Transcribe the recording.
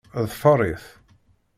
Ḍfer-it.